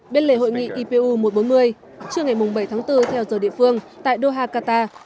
bên lề hội nghị ipu một trăm bốn mươi trưa ngày bảy tháng bốn theo giờ địa phương tại doha qatar